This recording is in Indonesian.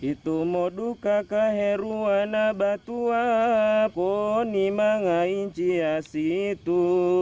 itu modu kakah heruana batua poni manga inci asitu